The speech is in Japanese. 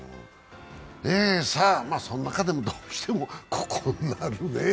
その中でも、どうしてもここになるね。